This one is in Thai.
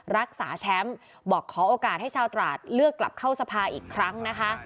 รักษาแชมป์บอกขอโอกาสให้ชาวตราดเลือกกลับเข้าสภาอีกครั้งนะคะ